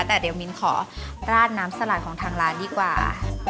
แต่เดี๋ยวมิ้นขอราดน้ำสลายของทางร้านดีกว่า